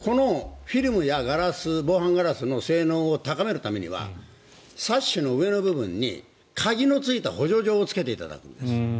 できることであればこのフィルムや防犯ガラスの性能を高めるためにはサッシの上の部分に鍵のついた補助錠をつけていただくんです。